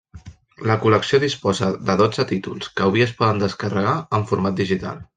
La col·lecció disposa de dotze títols, que avui es poden descarregar en format digital.